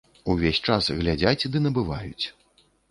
Увесь час глядзяць ды набываюць.